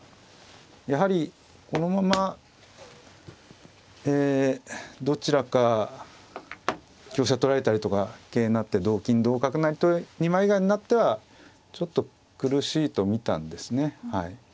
やはりこのままどちらか香車取られたりとか桂取って同金同角成と二枚替えになってはちょっと苦しいと見たんですね。